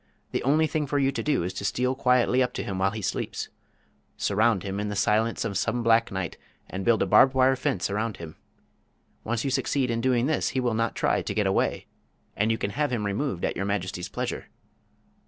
"The only thing for you to do is to steal quietly up to him while he sleeps. Surround him in the silence of some black night, and build a barbed wire fence around him. Once you succeed in doing this he will not try to get away, and you can have him removed at Your Majesty's pleasure."